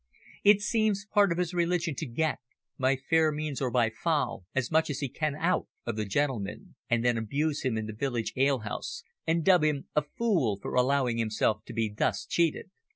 It seems part of his religion to get, by fair means or by foul, as much as he can out of the gentleman, and then abuse him in the village ale house and dub him a fool for allowing himself to be thus cheated.